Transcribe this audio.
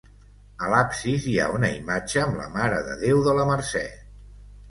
A l'absis hi ha una imatge amb la mare de Déu de la Mercè.